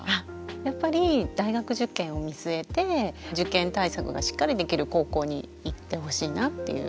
やっぱり大学受験を見据えて受験対策がしっかりできる高校に行ってほしいなっていう。